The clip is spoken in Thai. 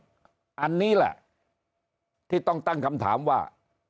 อันนี้แหละที่ต้องตั้งคำถามว่า